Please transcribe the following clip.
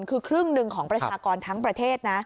คือครึ่งหนึ่งของประชากรทั้งประเทศนะ